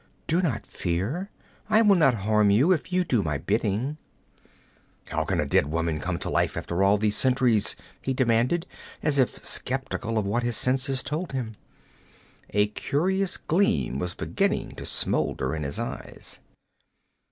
'Do not fear. I will not harm you if you do my bidding.' 'How can a dead woman come to life after all these centuries?' he demanded, as if skeptical of what his senses told him. A curious gleam was beginning to smolder in his eyes.